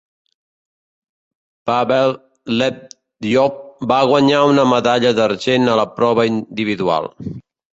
Pvel Lednyov va guanyar una medalla d'argent a la prova individual.